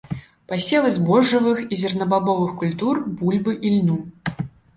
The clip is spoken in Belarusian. Пасевы збожжавых і зернебабовых культур, бульбы, ільну.